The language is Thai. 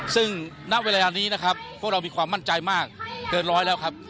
ซึ่งณเวลานี้นะครับพวกเรามีความมั่นใจมากเกินร้อยแล้วครับ